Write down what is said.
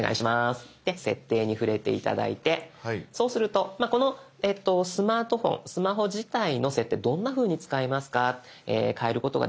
で「設定」に触れて頂いてそうするとこのスマートフォンスマホ自体の設定どんなふうに使いますか変えることができますよ